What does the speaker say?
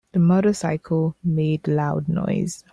The motorcycle made loud noise.